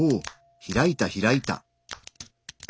開いた開いた！